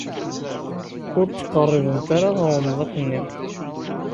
Ur ttqeṛṛibemt-ara ɣer umḍiq-nni.